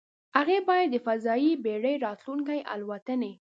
هغې باید د فضايي بېړۍ راتلونکې الوتنې